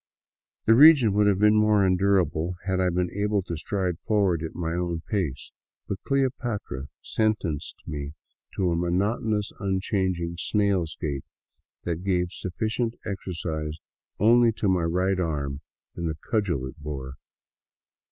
The region would have been more endurable had I been able to stride forward at my own pace; but "Cleopatra" sentenced me to a monotonous, unchanging snail's gait that gave sufficient exercise only to my right arm and the cudgel it bore.